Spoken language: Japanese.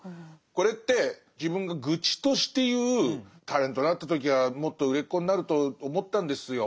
これって自分が愚痴として言う「タレントになった時はもっと売れっ子になると思ったんですよ。